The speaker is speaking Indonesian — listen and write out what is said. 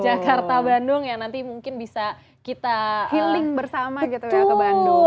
jakarta bandung yang nanti mungkin bisa kita healing bersama gitu ya ke bandung